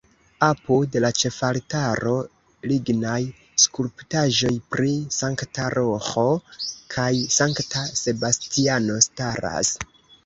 Apud la ĉefaltaro lignaj skulptaĵoj pri Sankta Roĥo kaj Sankta Sebastiano staras.